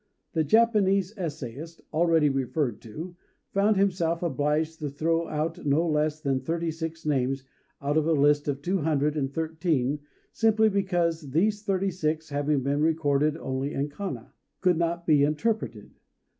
The Japanese essayist, already referred to, found himself obliged to throw out no less than thirty six names out of a list of two hundred and thirteen, simply because these thirty six, having been recorded only in kana, could not be interpreted.